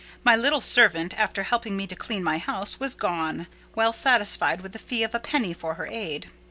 My little servant, after helping me to clean my house, was gone, well satisfied with the fee of a penny for her aid.